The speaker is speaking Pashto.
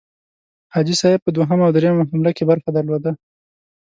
حاجي صاحب په دوهمه او دریمه حمله کې برخه درلوده.